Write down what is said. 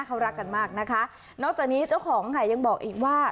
เขารักกันมากนะคะนอกจากนี้เจ้าของค่ะยังบอกอีกว่า